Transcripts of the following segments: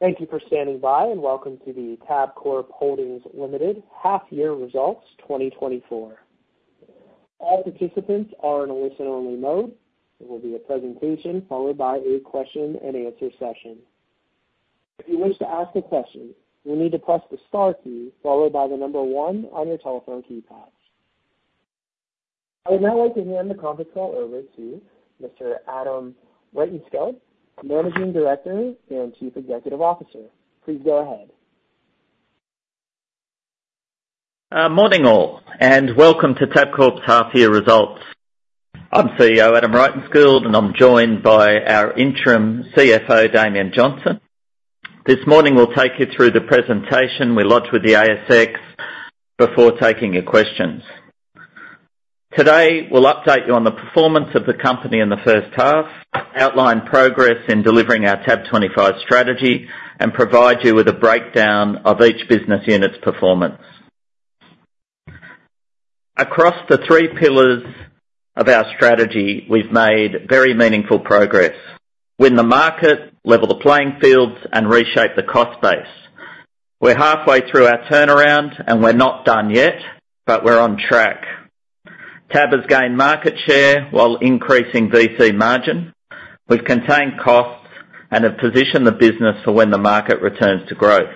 Thank you for standing by and welcome to the Tabcorp Holdings Limited Half-Year Results 2024. All participants are in a listen-only mode. There will be a presentation followed by a question-and-answer session. If you wish to ask a question, you'll need to press the star key followed by the number 1 on your telephone keypad. I would now like to hand the conference call over to Mr. Adam Rytenskild, Managing Director and Chief Executive Officer. Please go ahead. Morning all, and welcome to Tabcorp's half-year results. I'm CEO Adam Rytenskild, and I'm joined by our interim CFO, Damien Johnston. This morning we'll take you through the presentation we lodged with the ASX before taking your questions. Today we'll update you on the performance of the company in the first half, outline progress in delivering our TAB25 strategy, and provide you with a breakdown of each business unit's performance. Across the three pillars of our strategy, we've made very meaningful progress: win the market, level the playing fields, and reshape the cost base. We're halfway through our turnaround, and we're not done yet, but we're on track. TAB has gained market share while increasing VC margin. We've contained costs and have positioned the business for when the market returns to growth.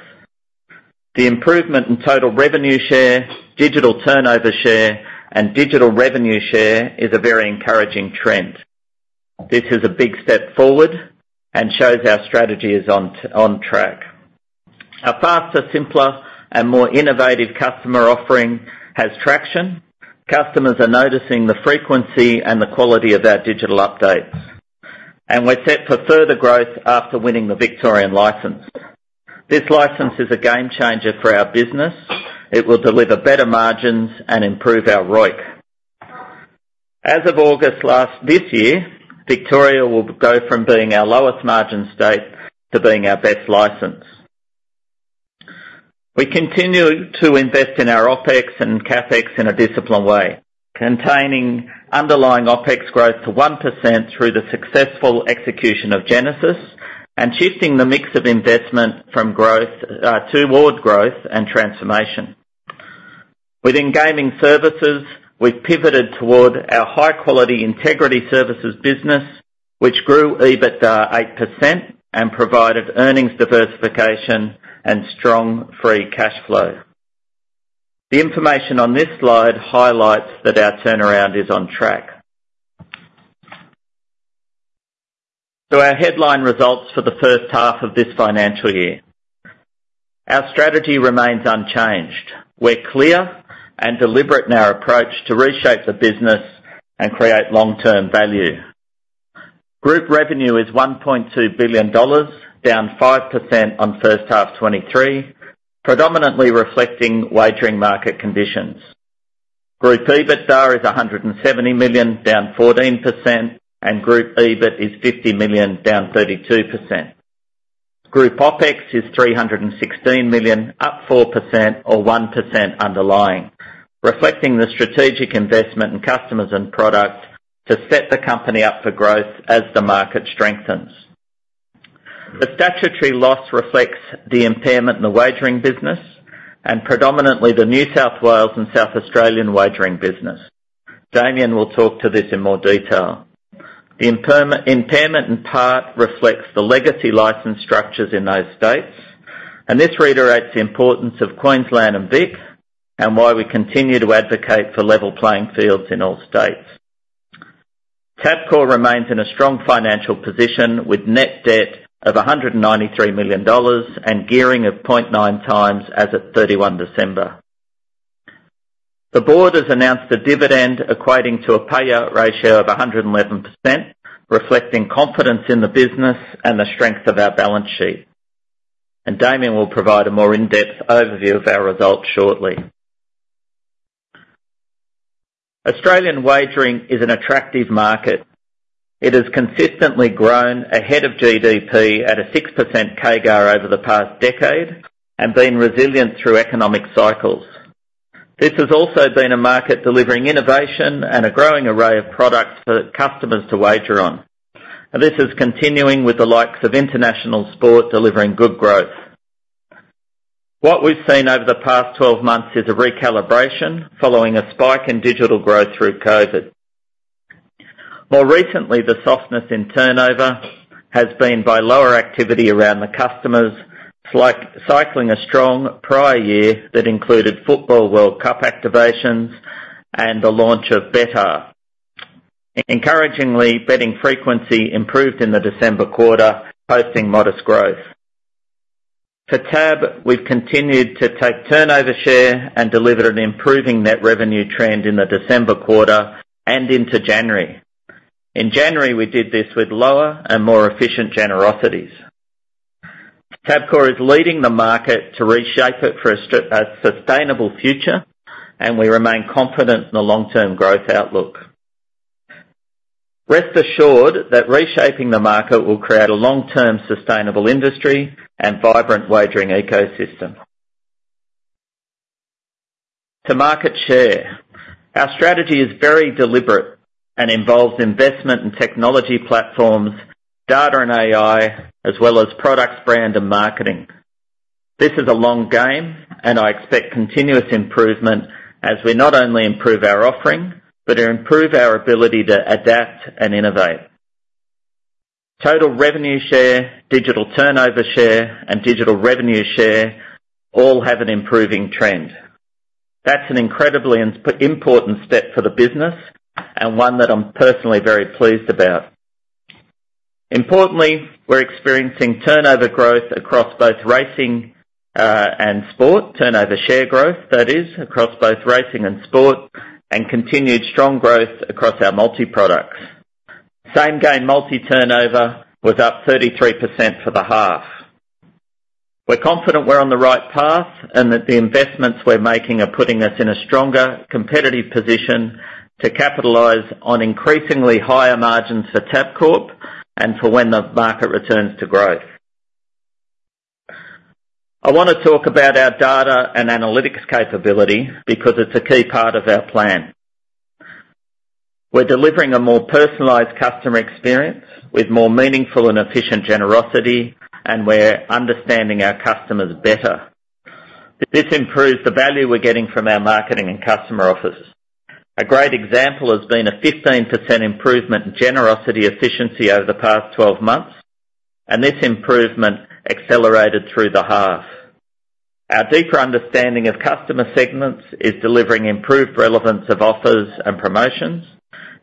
The improvement in total revenue share, digital turnover share, and digital revenue share is a very encouraging trend. This is a big step forward and shows our strategy is on track. A faster, simpler, and more innovative customer offering has traction. Customers are noticing the frequency and the quality of our digital updates, and we're set for further growth after winning the Victorian license. This license is a game-changer for our business. It will deliver better margins and improve our ROIC. As of August this year, Victoria will go from being our lowest margin state to being our best license. We continue to invest in our OPEX and CAPEX in a disciplined way, containing underlying OPEX growth to 1% through the successful execution of Genesis and shifting the mix of investment toward growth and transformation. Within gaming services, we've pivoted toward our high-quality integrity services business, which grew EBITDA 8% and provided earnings diversification and strong free cash flow. The information on this slide highlights that our turnaround is on track. So our headline results for the first half of this financial year: our strategy remains unchanged. We're clear and deliberate in our approach to reshape the business and create long-term value. Group revenue is 1.2 billion dollars, down 5% on first half 2023, predominantly reflecting wagering market conditions. Group EBITDA is 170 million, down 14%, and group EBIT is 50 million, down 32%. Group OPEX is 316 million, up 4% or 1% underlying, reflecting the strategic investment in customers and product to set the company up for growth as the market strengthens. The statutory loss reflects the impairment in the wagering business and predominantly the New South Wales and South Australian wagering business. Damien will talk to this in more detail. The impairment in part reflects the legacy license structures in those states, and this reiterates the importance of Queensland and VIC and why we continue to advocate for level playing fields in all states. Tabcorp remains in a strong financial position with net debt of 193 million dollars and gearing of 0.9 times as of 31 December. The board has announced a dividend equating to a payout ratio of 111%, reflecting confidence in the business and the strength of our balance sheet. And Damien will provide a more in-depth overview of our results shortly. Australian wagering is an attractive market. It has consistently grown ahead of GDP at a 6% CAGR over the past decade and been resilient through economic cycles. This has also been a market delivering innovation and a growing array of products for customers to wager on. This is continuing with the likes of international sport delivering good growth. What we've seen over the past 12 months is a recalibration following a spike in digital growth through COVID. More recently, the softness in turnover has been by lower activity around the customers, cycling a strong prior year that included Football World Cup activations and the launch of Betr. Encouragingly, betting frequency improved in the December quarter, posting modest growth. For TAB, we've continued to take turnover share and deliver an improving net revenue trend in the December quarter and into January. In January, we did this with lower and more efficient generosities. Tabcorp is leading the market to reshape it for a sustainable future, and we remain confident in the long-term growth outlook. Rest assured that reshaping the market will create a long-term sustainable industry and vibrant wagering ecosystem. To market share: our strategy is very deliberate and involves investment in technology platforms, data and AI, as well as products, brand, and marketing. This is a long game, and I expect continuous improvement as we not only improve our offering but improve our ability to adapt and innovate. Total revenue share, digital turnover share, and digital revenue share all have an improving trend. That's an incredibly important step for the business and one that I'm personally very pleased about. Importantly, we're experiencing turnover growth across both racing and sport, turnover share growth that is, across both racing and sport, and continued strong growth across our multi-products. Same Game Multi turnover was up 33% for the half. We're confident we're on the right path and that the investments we're making are putting us in a stronger competitive position to capitalize on increasingly higher margins for Tabcorp and for when the market returns to growth. I want to talk about our data and analytics capability because it's a key part of our plan. We're delivering a more personalized customer experience with more meaningful and efficient generosity, and we're understanding our customers better. This improves the value we're getting from our marketing and customer offices. A great example has been a 15% improvement in generosity efficiency over the past 12 months, and this improvement accelerated through the half. Our deeper understanding of customer segments is delivering improved relevance of offers and promotions,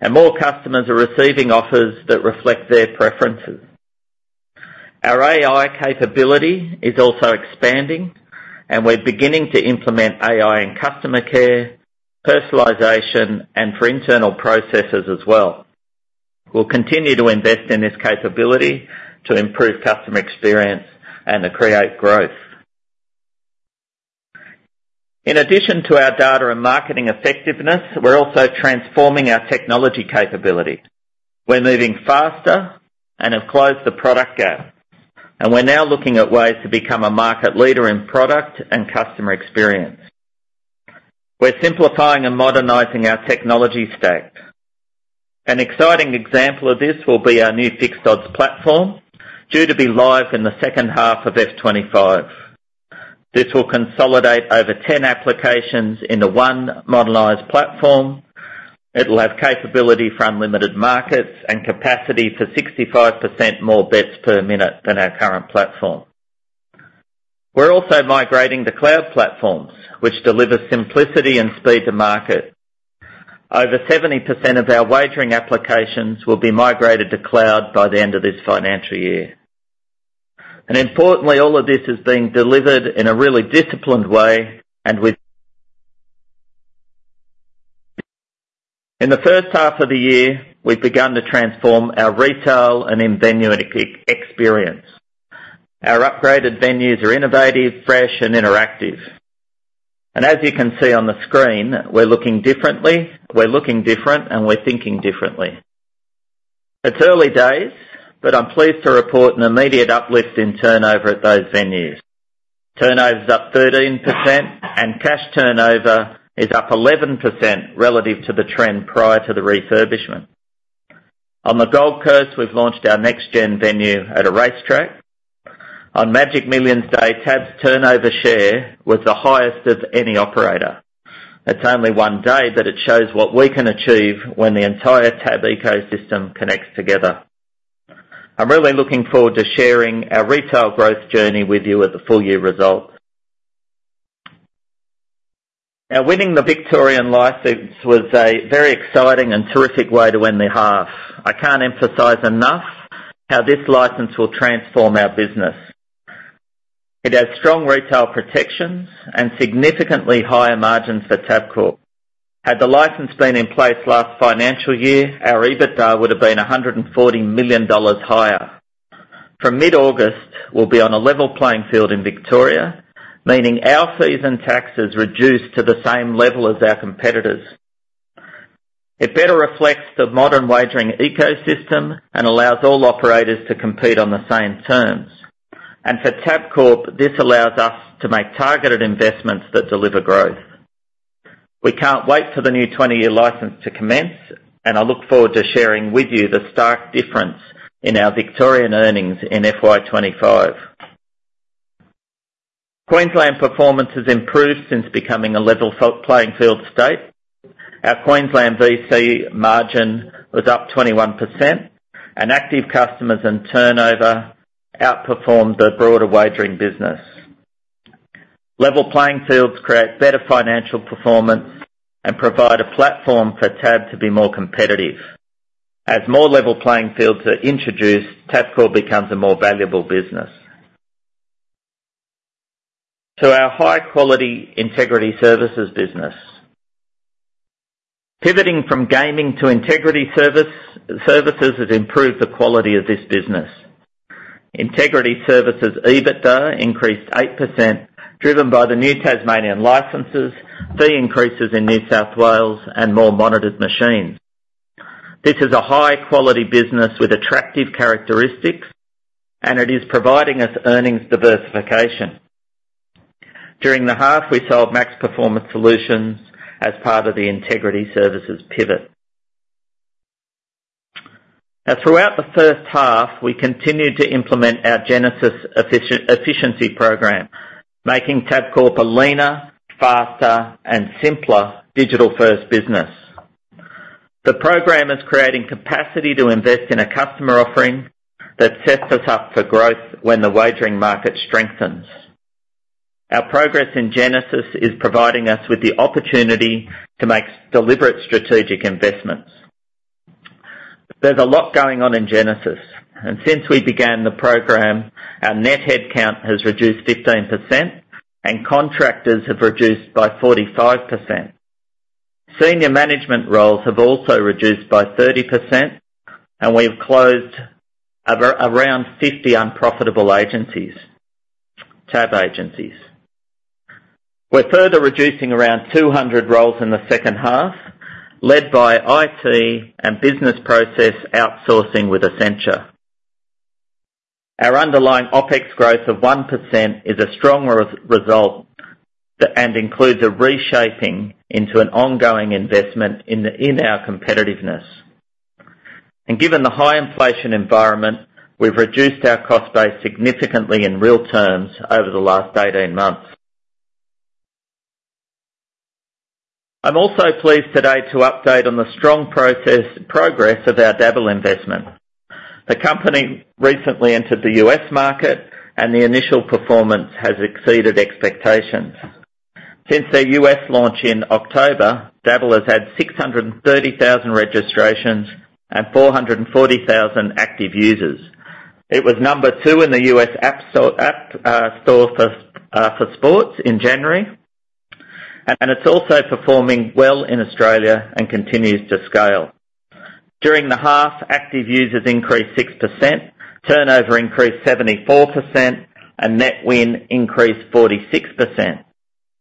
and more customers are receiving offers that reflect their preferences. Our AI capability is also expanding, and we're beginning to implement AI in customer care, personalization, and for internal processes as well. We'll continue to invest in this capability to improve customer experience and to create growth. In addition to our data and marketing effectiveness, we're also transforming our technology capability. We're moving faster and have closed the product gap, and we're now looking at ways to become a market leader in product and customer experience. We're simplifying and modernizing our technology stack. An exciting example of this will be our new Fixed Odds Platform due to be live in the second half of FY25. This will consolidate over 10 applications into one modernized platform. It'll have capability for unlimited markets and capacity for 65% more bets per minute than our current platform. We're also migrating to cloud platforms, which deliver simplicity and speed to market. Over 70% of our wagering applications will be migrated to cloud by the end of this financial year. Importantly, all of this is being delivered in a really disciplined way and with. In the first half of the year, we've begun to transform our retail and in-venue experience. Our upgraded venues are innovative, fresh, and interactive. As you can see on the screen, we're looking differently, we're looking different, and we're thinking differently. It's early days, but I'm pleased to report an immediate uplift in turnover at those venues. Turnover's up 13%, and cash turnover is up 11% relative to the trend prior to the refurbishment. On the Gold Coast, we've launched our next-gen venue at a racetrack. On Magic Millions Day, TAB's turnover share was the highest of any operator. It's only one day that it shows what we can achieve when the entire TAB ecosystem connects together. I'm really looking forward to sharing our retail growth journey with you at the full-year results. Now, winning the Victorian license was a very exciting and terrific way to win the half. I can't emphasize enough how this license will transform our business. It has strong retail protections and significantly higher margins for Tabcorp. Had the license been in place last financial year, our EBITDA would have been 140 million dollars higher. From mid-August, we'll be on a level playing field in Victoria, meaning our state taxes reduce to the same level as our competitors. It better reflects the modern wagering ecosystem and allows all operators to compete on the same terms. For Tabcorp, this allows us to make targeted investments that deliver growth. We can't wait for the new 20-year license to commence, and I look forward to sharing with you the stark difference in our Victorian earnings in FY25. Queensland performance has improved since becoming a level playing field state. Our Queensland VC margin was up 21%, and active customers and turnover outperformed the broader wagering business. Level playing fields create better financial performance and provide a platform for TAB to be more competitive. As more level playing fields are introduced, Tabcorp becomes a more valuable business. To our high-quality integrity services business: pivoting from gaming to integrity services has improved the quality of this business. Integrity services EBITDA increased 8% driven by the new Tasmanian licenses, fee increases in New South Wales, and more monitored machines. This is a high-quality business with attractive characteristics, and it is providing us earnings diversification. During the half, we sold Max Performance Solutions as part of the integrity services pivot. Now, throughout the first half, we continued to implement our Genesis efficiency program, making Tabcorp a leaner, faster, and simpler digital-first business. The program is creating capacity to invest in a customer offering that sets us up for growth when the wagering market strengthens. Our progress in Genesis is providing us with the opportunity to make deliberate strategic investments. There's a lot going on in Genesis, and since we began the program, our net headcount has reduced 15%, and contractors have reduced by 45%. Senior management roles have also reduced by 30%, and we've closed around 50 unprofitable agencies, TAB agencies. We're further reducing around 200 roles in the second half, led by IT and business process outsourcing with Accenture. Our underlying OPEX growth of 1% is a strong result and includes a reshaping into an ongoing investment in our competitiveness. Given the high inflation environment, we've reduced our cost base significantly in real terms over the last 18 months. I'm also pleased today to update on the strong progress of our Dabble investment. The company recently entered the U.S. market, and the initial performance has exceeded expectations. Since their U.S. launch in October, Dabble has had 630,000 registrations and 440,000 active users. It was number 2 in the U.S. app store for sports in January, and it's also performing well in Australia and continues to scale. During the half, active users increased 6%, turnover increased 74%, and net win increased 46%.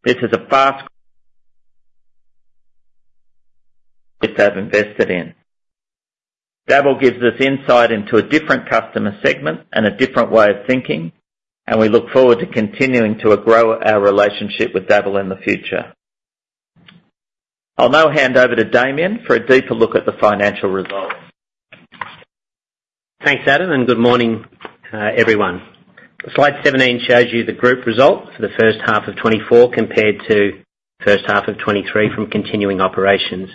This is a fast growth that we've invested in. Dabble gives us insight into a different customer segment and a different way of thinking, and we look forward to continuing to grow our relationship with Dabble in the future. I'll now hand over to Damien for a deeper look at the financial results. Thanks, Adam, and good morning, everyone. Slide 17 shows you the group result for the first half of 2024 compared to first half of 2023 from continuing operations,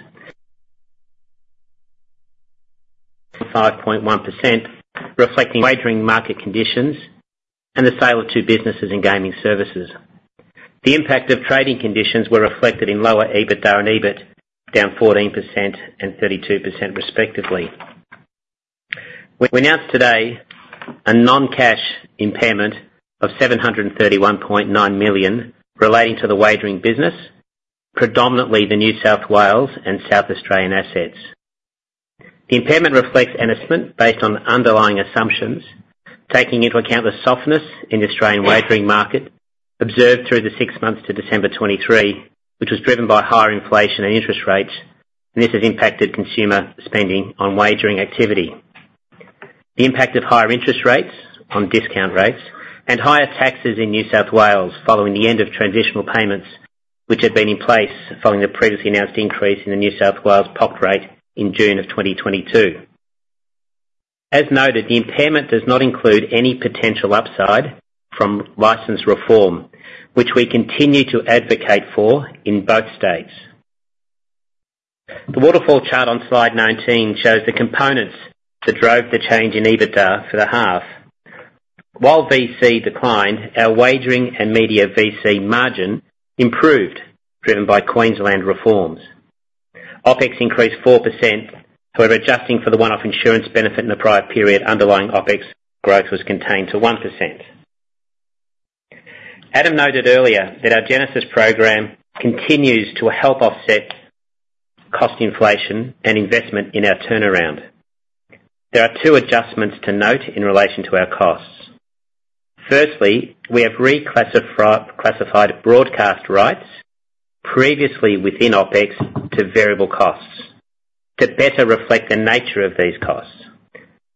5.1% reflecting wagering market conditions and the sale of two businesses in gaming services. The impact of trading conditions were reflected in lower EBITDA and EBIT, down 14% and 32% respectively. We announced today a non-cash impairment of 731.9 million relating to the wagering business, predominantly the New South Wales and South Australian assets. The impairment reflects assessment based on underlying assumptions, taking into account the softness in the Australian wagering market observed through the six months to December 2023, which was driven by higher inflation and interest rates, and this has impacted consumer spending on wagering activity. The impact of higher interest rates on discount rates and higher taxes in New South Wales following the end of transitional payments, which had been in place following the previously announced increase in the New South Wales POCT rate in June of 2022. As noted, the impairment does not include any potential upside from license reform, which we continue to advocate for in both states. The waterfall chart on slide 19 shows the components that drove the change in EBITDA for the half. While VC declined, our wagering and media VC margin improved, driven by Queensland reforms. OPEX increased 4%; however, adjusting for the one-off insurance benefit in the prior period underlying OPEX growth was contained to 1%. Adam noted earlier that our Genesis program continues to help offset cost inflation and investment in our turnaround. There are two adjustments to note in relation to our costs. Firstly, we have reclassified broadcast rights, previously within OPEX, to variable costs to better reflect the nature of these costs.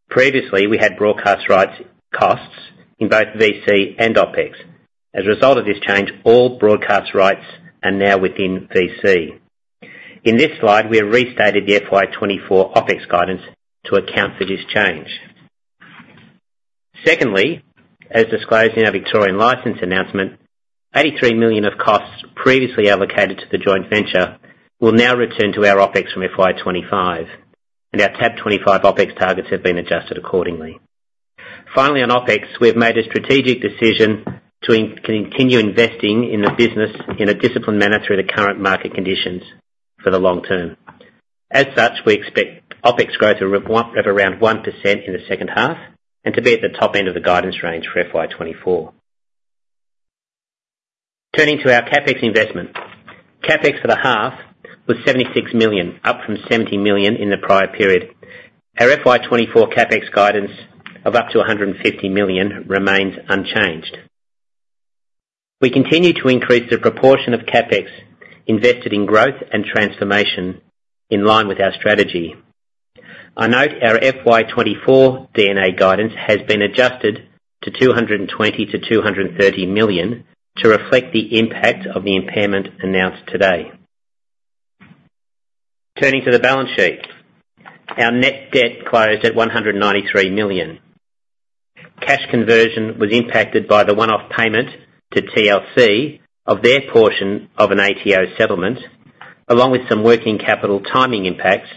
Previously, we had broadcast rights costs in both VC and OPEX. As a result of this change, all broadcast rights are now within VC. In this slide, we have restated the FY24 OPEX guidance to account for this change. Secondly, as disclosed in our Victorian license announcement, 83 million of costs previously allocated to the joint venture will now return to our OPEX from FY25, and our TAB25 OPEX targets have been adjusted accordingly. Finally, on OPEX, we have made a strategic decision to continue investing in the business in a disciplined manner through the current market conditions for the long term. As such, we expect OPEX growth of around 1% in the second half and to be at the top end of the guidance range for FY24. Turning to our CAPEX investment, CAPEX for the half was 76 million, up from 70 million in the prior period. Our FY24 CAPEX guidance of up to 150 million remains unchanged. We continue to increase the proportion of CAPEX invested in growth and transformation in line with our strategy. I note our FY24 D&A guidance has been adjusted to 220 million-230 million to reflect the impact of the impairment announced today. Turning to the balance sheet, our net debt closed at AUD 193 million. Cash conversion was impacted by the one-off payment to TLC of their portion of an ATO settlement, along with some working capital timing impacts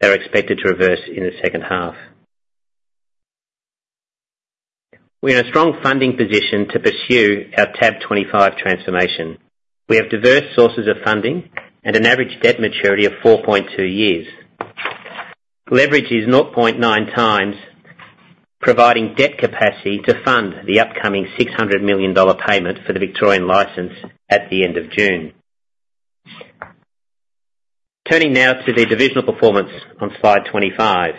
that are expected to reverse in the second half. We're in a strong funding position to pursue our TAB25 transformation. We have diverse sources of funding and an average debt maturity of 4.2 years. Leverage is 0.9 times, providing debt capacity to fund the upcoming 600 million dollar payment for the Victorian license at the end of June. Turning now to the divisional performance on slide 25.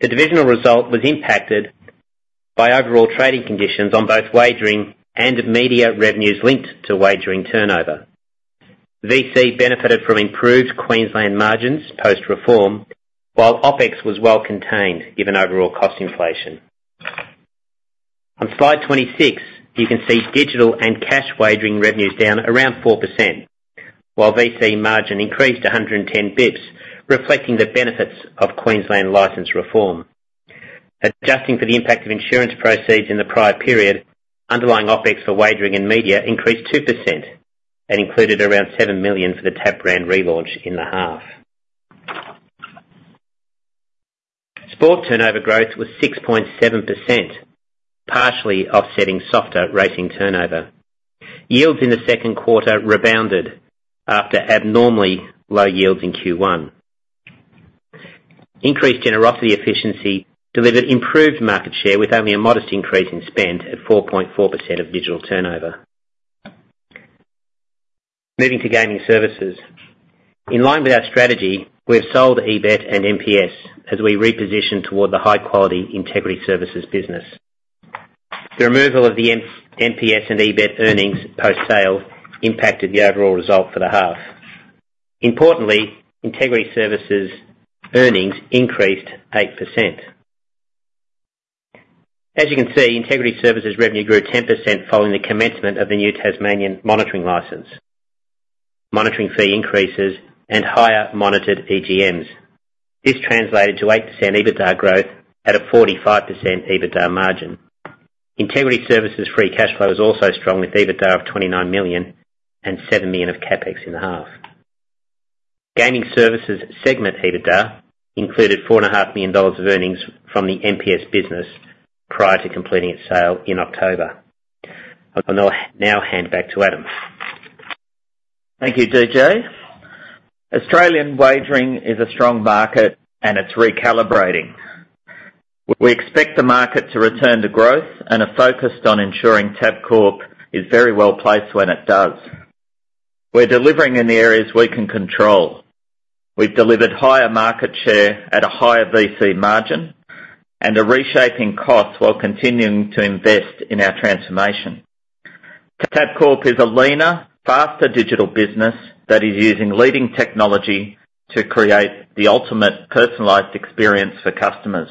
The divisional result was impacted by overall trading conditions on both wagering and media revenues linked to wagering turnover. VC benefited from improved Queensland margins post-reform, while OPEX was well contained given overall cost inflation. On slide 26, you can see digital and cash wagering revenues down around 4%, while VC margin increased 110 basis points, reflecting the benefits of Queensland license reform. Adjusting for the impact of insurance proceeds in the prior period, underlying OPEX for wagering and media increased 2% and included around 7 million for the TAB brand relaunch in the half. Sport turnover growth was 6.7%, partially offsetting softer racing turnover. Yields in the second quarter rebounded after abnormally low yields in Q1. Increased generosity efficiency delivered improved market share with only a modest increase in spend at 4.4% of digital turnover. Moving to gaming services. In line with our strategy, we have sold EBET and MPS as we reposition toward the high-quality integrity services business. The removal of the MPS and EBET earnings post-sale impacted the overall result for the half. Importantly, integrity services earnings increased 8%. As you can see, integrity services revenue grew 10% following the commencement of the new Tasmanian monitoring license. Monitoring fee increases and higher monitored EGMs. This translated to 8% EBITDA growth at a 45% EBITDA margin. Integrity services free cash flow was also strong with EBITDA of 29 million and 7 million of CAPEX in the half. Gaming services segment EBITDA included 4.5 million dollars of earnings from the MPS business prior to completing its sale in October. I'll now hand back to Adam. Thank you, DJ. Australian wagering is a strong market, and it's recalibrating. We expect the market to return to growth, and a focus on ensuring Tabcorp is very well placed when it does. We're delivering in the areas we can control. We've delivered higher market share at a higher VC margin and are reshaping costs while continuing to invest in our transformation. Tabcorp is a leaner, faster digital business that is using leading technology to create the ultimate personalized experience for customers.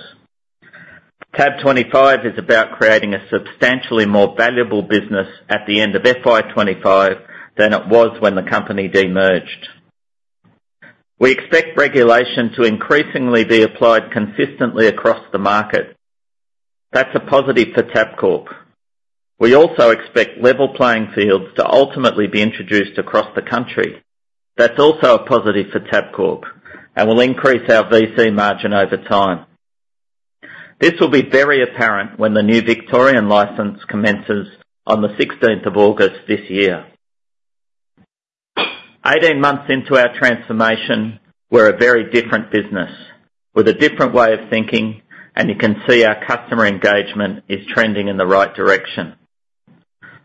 TAB25 is about creating a substantially more valuable business at the end of FY25 than it was when the company demerged. We expect regulation to increasingly be applied consistently across the market. That's a positive for Tabcorp. We also expect level playing fields to ultimately be introduced across the country. That's also a positive for Tabcorp and will increase our VC margin over time. This will be very apparent when the new Victorian license commences on the 16th of August this year. 18 months into our transformation, we're a very different business with a different way of thinking, and you can see our customer engagement is trending in the right direction.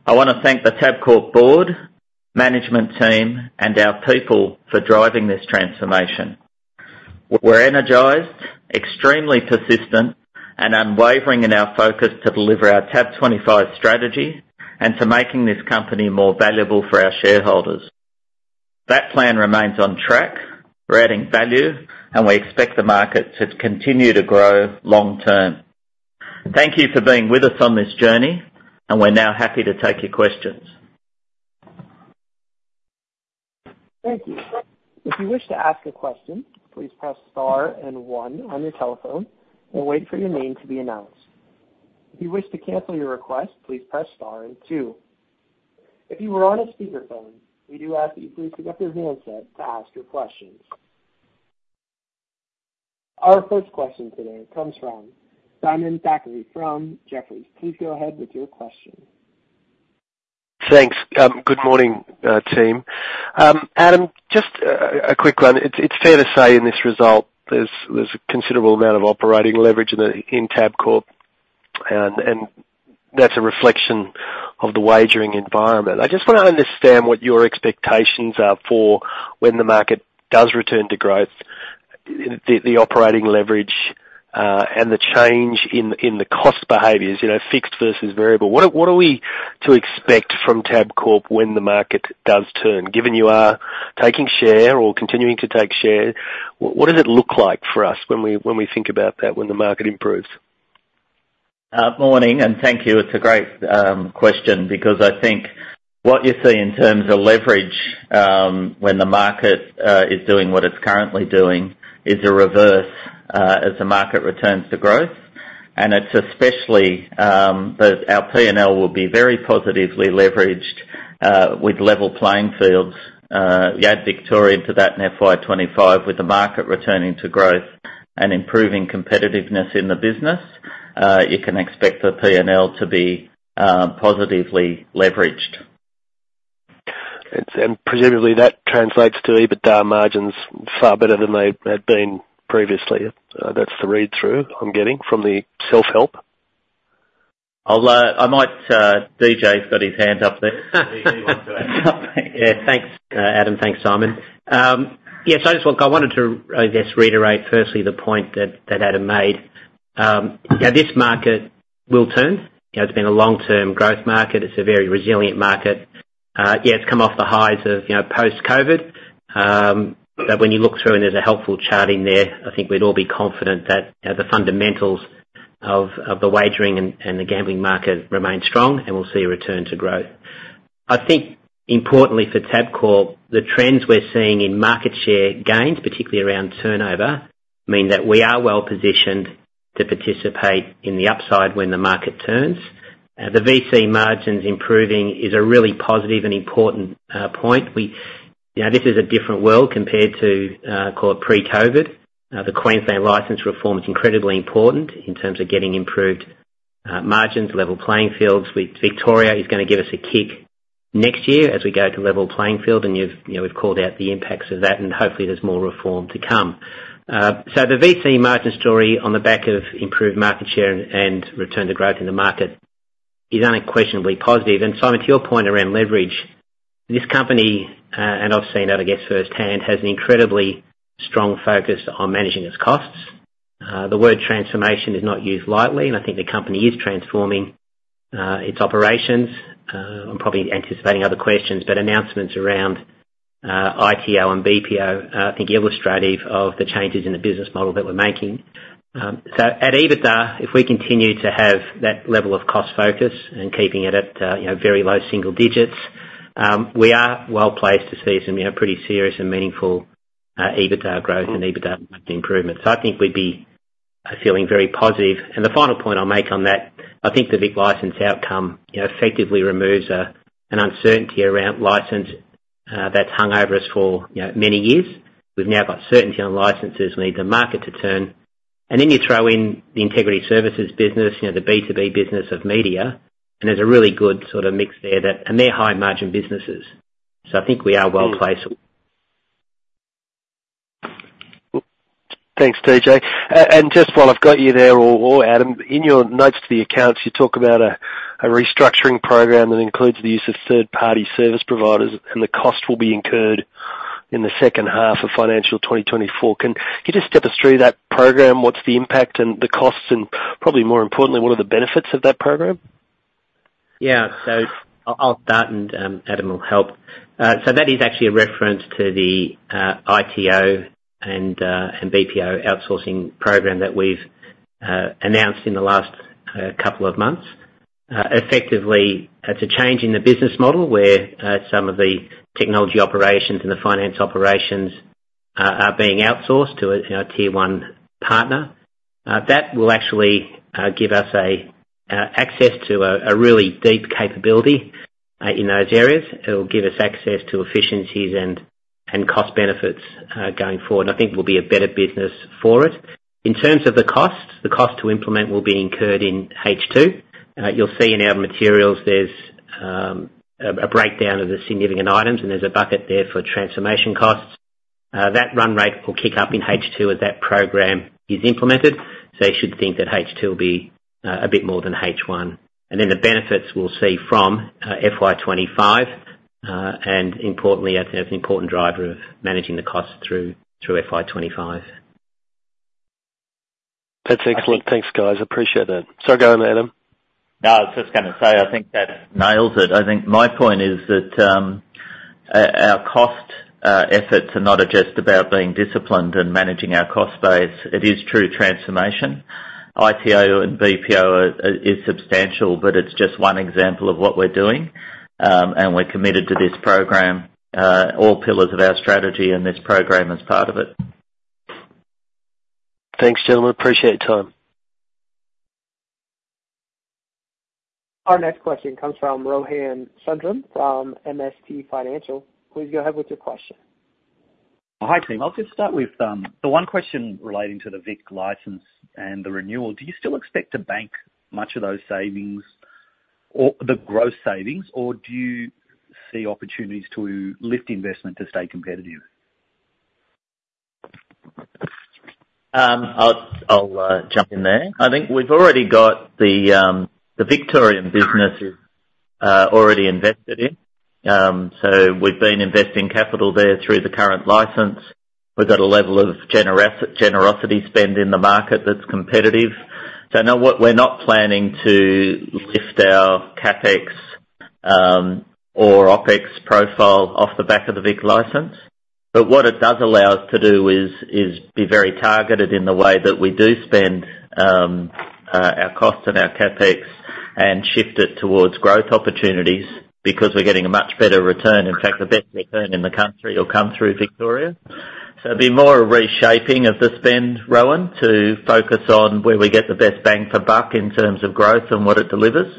I want to thank the Tabcorp board, management team, and our people for driving this transformation. We're energized, extremely persistent, and unwavering in our focus to deliver our TAB25 strategy and to making this company more valuable for our shareholders. That plan remains on track. We're adding value, and we expect the market to continue to grow long term. Thank you for being with us on this journey, and we're now happy to take your questions. Thank you. If you wish to ask a question, please press star and one on your telephone and wait for your name to be announced. If you wish to cancel your request, please press star and two. If you are on a speakerphone, we do ask that you please pick up your handset to ask your questions. Our first question today comes from Simon Thackray from Jefferies. Please go ahead with your question. Thanks. Good morning, team. Adam, just a quick one. It's fair to say in this result there's a considerable amount of operating leverage in Tabcorp, and that's a reflection of the wagering environment. I just want to understand what your expectations are for when the market does return to growth, the operating leverage, and the change in the cost behaviours, fixed versus variable. What are we to expect from Tabcorp when the market does turn? Given you are taking share or continuing to take share, what does it look like for us when we think about that, when the market improves? Morning, and thank you. It's a great question because I think what you see in terms of leverage when the market is doing what it's currently doing is a reverse as the market returns to growth. And it's especially our P&L will be very positively leveraged with level playing fields. You add Victoria into that in FY25 with the market returning to growth and improving competitiveness in the business, you can expect the P&L to be positively leveraged. Presumably, that translates to EBITDA margins far better than they had been previously. That's the read-through I'm getting from the self-help. I might DJ's got his hand up there. He wants to answer. Yeah. Thanks, Adam. Thanks, Simon. Yes, I just wanted to, I guess, reiterate firstly the point that Adam made. This market will turn. It's been a long-term growth market. It's a very resilient market. Yeah, it's come off the highs of post-COVID, but when you look through and there's a helpful chart in there, I think we'd all be confident that the fundamentals of the wagering and the gambling market remain strong, and we'll see a return to growth. I think, importantly for Tabcorp, the trends we're seeing in market share gains, particularly around turnover, mean that we are well positioned to participate in the upside when the market turns. The VC margins improving is a really positive and important point. This is a different world compared to, call it, pre-COVID. The Queensland license reform is incredibly important in terms of getting improved margins, level playing fields. Victoria is going to give us a kick next year as we go to level playing field, and we've called out the impacts of that, and hopefully, there's more reform to come. So the VC margin story on the back of improved market share and return to growth in the market is unquestionably positive. And Simon, to your point around leverage, this company, and I've seen that, I guess, firsthand, has an incredibly strong focus on managing its costs. The word transformation is not used lightly, and I think the company is transforming its operations. I'm probably anticipating other questions, but announcements around ITO and BPO, I think, illustrative of the changes in the business model that we're making. So at EBITDA, if we continue to have that level of cost focus and keeping it at very low single digits, we are well placed to see some pretty serious and meaningful EBITDA growth and EBITDA market improvement. So I think we'd be feeling very positive. And the final point I'll make on that, I think the Vic license outcome effectively removes an uncertainty around license that's hung over us for many years. We've now got certainty on licenses. We need the market to turn. And then you throw in the integrity services business, the B2B business of media, and there's a really good sort of mix there, and they're high-margin businesses. So I think we are well placed. Thanks, DJ. And just while I've got you there, or Adam, in your notes to the accounts, you talk about a restructuring program that includes the use of third-party service providers, and the cost will be incurred in the second half of financial 2024. Can you just step us through that program? What's the impact and the costs, and probably more importantly, what are the benefits of that program? Yeah. So I'll start, and Adam will help. So that is actually a reference to the ITO and BPO outsourcing program that we've announced in the last couple of months. Effectively, it's a change in the business model where some of the technology operations and the finance operations are being outsourced to a tier one partner. That will actually give us access to a really deep capability in those areas. It will give us access to efficiencies and cost benefits going forward, and I think we'll be a better business for it. In terms of the cost, the cost to implement will be incurred in H2. You'll see in our materials, there's a breakdown of the significant items, and there's a bucket there for transformation costs. That run rate will kick up in H2 as that program is implemented, so you should think that H2 will be a bit more than H1. And then the benefits we'll see from FY25, and importantly, it's an important driver of managing the costs through FY25. That's excellent. Thanks, guys. Appreciate that. Sorry to go ahead, Adam. No, I was just going to say I think that nails it. I think my point is that our cost efforts are not just about being disciplined and managing our cost base. It is true transformation. ITO and BPO is substantial, but it's just one example of what we're doing, and we're committed to this program. All pillars of our strategy in this program are part of it. Thanks, gentlemen. Appreciate your time. Our next question comes from Rohan Sundram from MST Financial. Please go ahead with your question. Hi, team. I'll just start with the one question relating to the Vic license and the renewal. Do you still expect to bank much of those savings, the gross savings, or do you see opportunities to lift investment to stay competitive? I'll jump in there. I think we've already got the Victorian business is already invested in. So we've been investing capital there through the current license. We've got a level of generous spend in the market that's competitive. So no, we're not planning to lift our CapEx or OpEx profile off the back of the Vic license. But what it does allow us to do is be very targeted in the way that we do spend our costs and our CapEx and shift it towards growth opportunities because we're getting a much better return. In fact, the best return in the country will come through Victoria. So it'd be more a reshaping of the spend, Rohan, to focus on where we get the best bang for buck in terms of growth and what it delivers.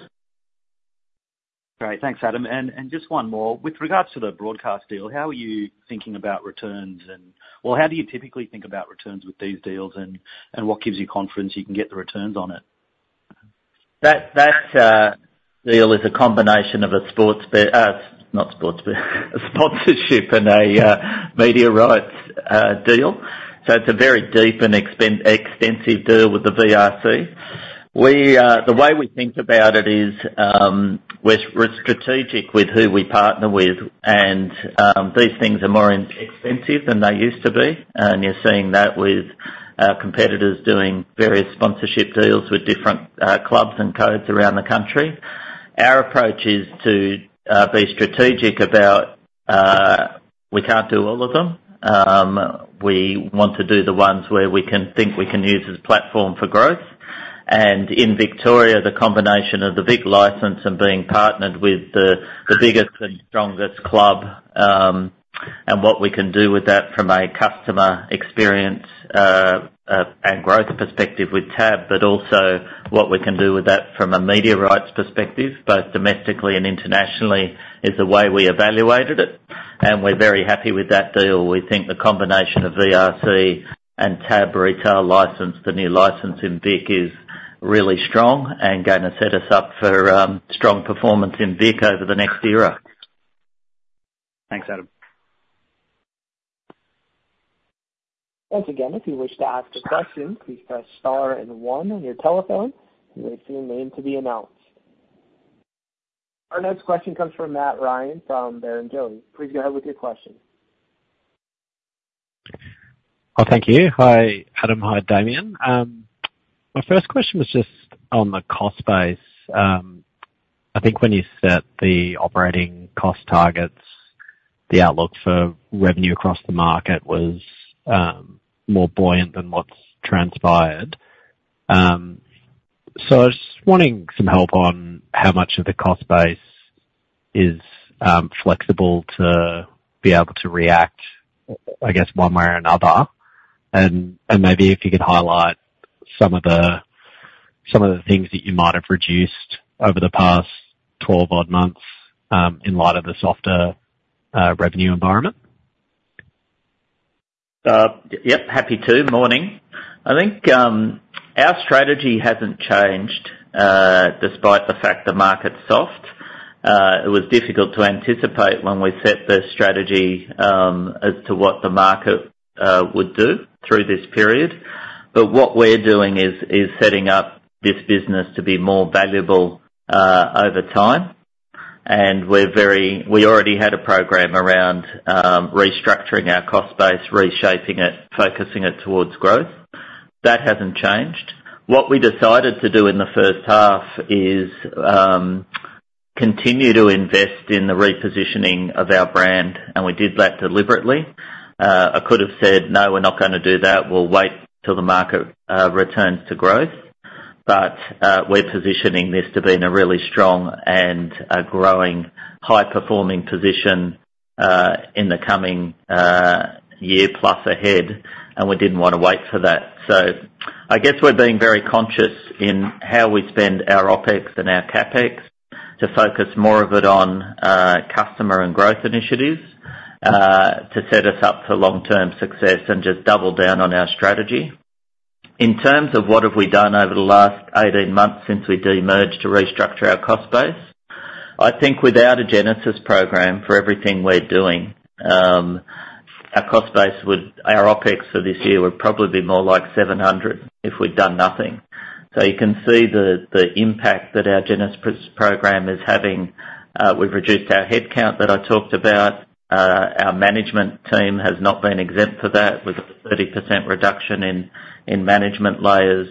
Great. Thanks, Adam. Just one more. With regards to the broadcast deal, how are you thinking about returns and well, how do you typically think about returns with these deals, and what gives you confidence you can get the returns on it? That deal is a combination of a sports not sports sponsorship and a media rights deal. So it's a very deep and extensive deal with the VRC. The way we think about it is we're strategic with who we partner with, and these things are more expensive than they used to be. You're seeing that with our competitors doing various sponsorship deals with different clubs and codes around the country. Our approach is to be strategic about we can't do all of them. We want to do the ones where we can think we can use as a platform for growth. In Victoria, the combination of the Vic license and being partnered with the biggest and strongest club and what we can do with that from a customer experience and growth perspective with Tab, but also what we can do with that from a media rights perspective, both domestically and internationally, is the way we evaluated it. We're very happy with that deal. We think the combination of VRC and Tab retail license, the new license in Vic, is really strong and going to set us up for strong performance in Vic over the next era. Thanks, Adam. Once again, if you wish to ask a question, please press star and one on your telephone and wait for your name to be announced. Our next question comes from Matt Ryan from Barrenjoey. Please go ahead with your question. Oh, thank you. Hi, Adam. Hi, Damien. My first question was just on the cost base. I think when you set the operating cost targets, the outlook for revenue across the market was more buoyant than what's transpired. So I was just wanting some help on how much of the cost base is flexible to be able to react, I guess, one way or another. And maybe if you could highlight some of the things that you might have reduced over the past 12-odd months in light of the softer revenue environment. Yep, happy to. Morning. I think our strategy hasn't changed despite the fact the market's soft. It was difficult to anticipate when we set the strategy as to what the market would do through this period. But what we're doing is setting up this business to be more valuable over time. And we already had a program around restructuring our cost base, reshaping it, focusing it towards growth. That hasn't changed. What we decided to do in the first half is continue to invest in the repositioning of our brand, and we did that deliberately. I could have said, "No, we're not going to do that. We'll wait till the market returns to growth." But we're positioning this to be in a really strong and growing, high-performing position in the coming year-plus ahead, and we didn't want to wait for that. So I guess we're being very conscious in how we spend our OPEX and our CAPEX to focus more of it on customer and growth initiatives to set us up for long-term success and just double down on our strategy. In terms of what have we done over the last 18 months since we demerged to restructure our cost base, I think without a Genesis program for everything we're doing, our cost base would our OPEX for this year would probably be more like 700 million if we'd done nothing. So you can see the impact that our Genesis program is having. We've reduced our headcount that I talked about. Our management team has not been exempt for that. We've got a 30% reduction in management layers.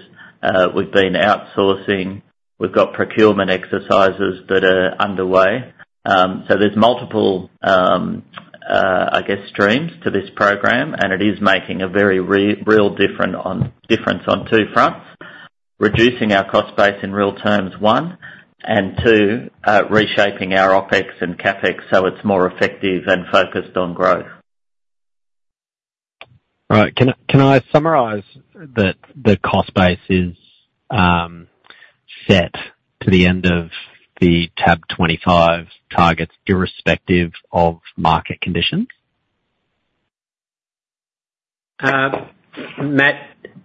We've been outsourcing. We've got procurement exercises that are underway. There's multiple, I guess, streams to this program, and it is making a very real difference on two fronts: reducing our cost base in real terms, one, and two, reshaping our OPEX and CAPEX so it's more effective and focused on growth. Right. Can I summarise that the cost base is set to the end of the TAB25 targets irrespective of market conditions? Matt,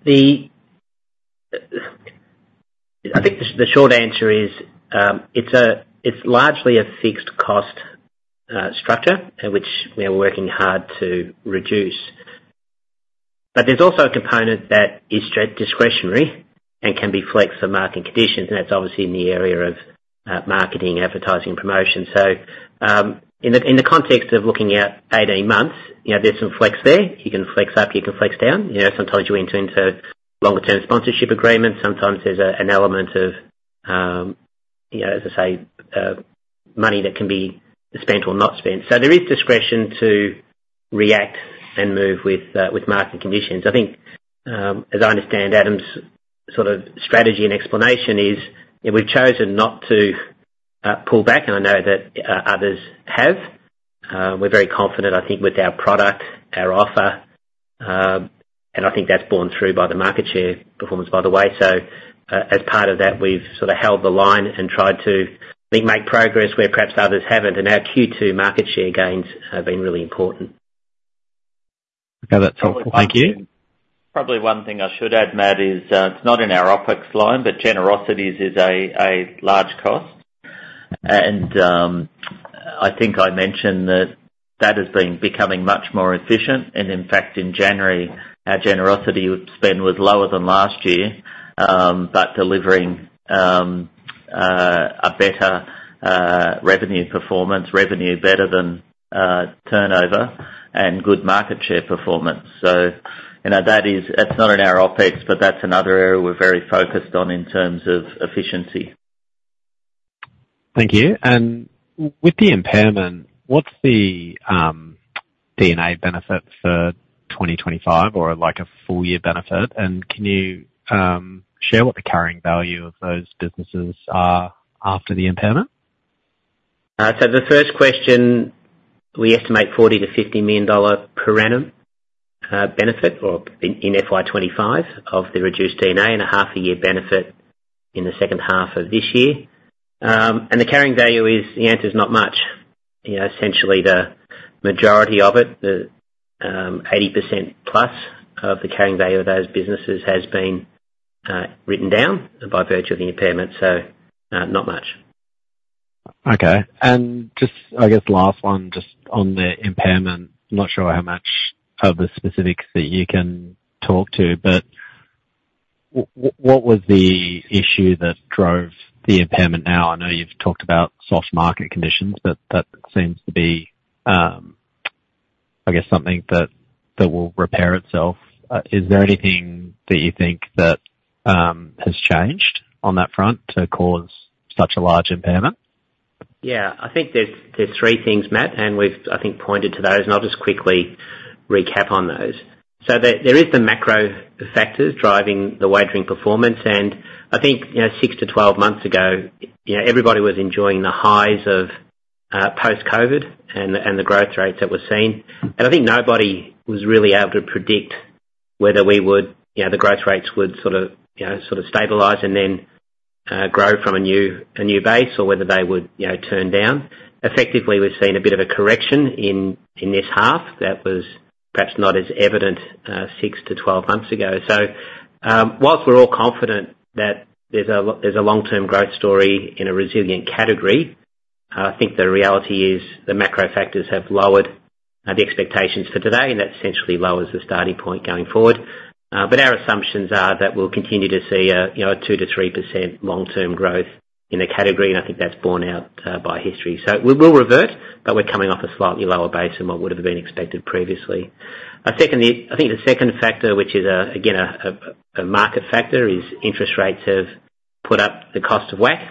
I think the short answer is it's largely a fixed cost structure which we are working hard to reduce. But there's also a component that is discretionary and can be flexed for marketing conditions, and that's obviously in the area of marketing, advertising, and promotion. So in the context of looking at 18 months, there's some flex there. You can flex up. You can flex down. Sometimes you enter into longer-term sponsorship agreements. Sometimes there's an element of, as I say, money that can be spent or not spent. So there is discretion to react and move with marketing conditions. I think, as I understand Adam's sort of strategy and explanation, is we've chosen not to pull back, and I know that others have. We're very confident, I think, with our product, our offer, and I think that's borne through by the market share performance, by the way. As part of that, we've sort of held the line and tried to, I think, make progress where perhaps others haven't, and our Q2 market share gains have been really important. Okay. That's helpful. Thank you. Probably one thing I should add, Matt, is it's not in our OPEX line, but generosity is a large cost. And I think I mentioned that that has been becoming much more efficient. And in fact, in January, our generosity spend was lower than last year but delivering a better revenue performance, revenue better than turnover, and good market share performance. So that is—it's not in our OPEX, but that's another area we're very focused on in terms of efficiency. Thank you. With the impairment, what's the D&A benefit for 2025 or a full-year benefit? Can you share what the carrying value of those businesses are after the impairment? So the first question, we estimate 40 million-50 million dollar per annum benefit in FY25 of the reduced D&A and a half-a-year benefit in the second half of this year. And the carrying value is the answer's not much. Essentially, the majority of it, the 80%-plus of the carrying value of those businesses has been written down by virtue of the impairment, so not much. Okay. And just, I guess, last one, just on the impairment, I'm not sure how much of the specifics that you can talk to, but what was the issue that drove the impairment now? I know you've talked about soft market conditions, but that seems to be, I guess, something that will repair itself. Is there anything that you think that has changed on that front to cause such a large impairment? Yeah. I think there's three things, Matt, and we've, I think, pointed to those, and I'll just quickly recap on those. So there is the macro factors driving the wagering performance. And I think 6-12 months ago, everybody was enjoying the highs of post-COVID and the growth rates that were seen. And I think nobody was really able to predict whether the growth rates would sort of stabilise and then grow from a new base or whether they would turn down. Effectively, we've seen a bit of a correction in this half that was perhaps not as evident 6-12 months ago. So while we're all confident that there's a long-term growth story in a resilient category, I think the reality is the macro factors have lowered the expectations for today, and that essentially lowers the starting point going forward. But our assumptions are that we'll continue to see a 2%-3% long-term growth in the category, and I think that's borne out by history. So we'll revert, but we're coming off a slightly lower base than what would have been expected previously. I think the second factor, which is, again, a market factor, is interest rates have put up the cost of WACC.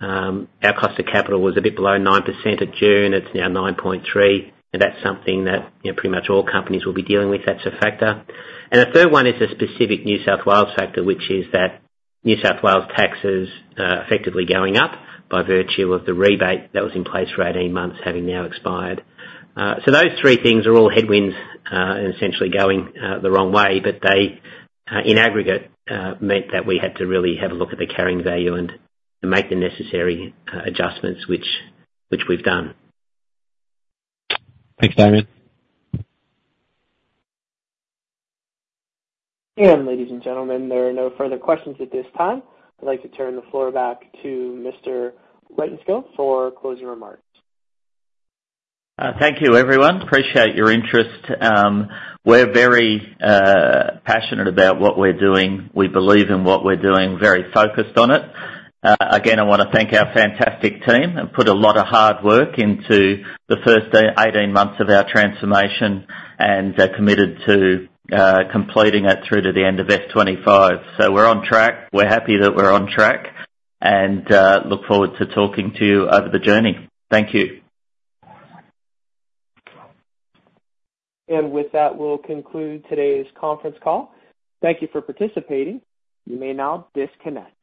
Our cost of capital was a bit below 9% at June. It's now 9.3%, and that's something that pretty much all companies will be dealing with. That's a factor. And the third one is a specific New South Wales factor, which is that New South Wales tax is effectively going up by virtue of the rebate that was in place for 18 months having now expired. So those three things are all headwinds and essentially going the wrong way, but they, in aggregate, meant that we had to really have a look at the carrying value and make the necessary adjustments, which we've done. Thanks, Damien. Again, ladies and gentlemen, there are no further questions at this time. I'd like to turn the floor back to Mr. Rytenskild for closing remarks. Thank you, everyone. Appreciate your interest. We're very passionate about what we're doing. We believe in what we're doing, very focused on it. Again, I want to thank our fantastic team and put a lot of hard work into the first 18 months of our transformation and are committed to completing it through to the end of FY25. So we're on track. We're happy that we're on track and look forward to talking to you over the journey. Thank you. With that, we'll conclude today's conference call. Thank you for participating. You may now disconnect.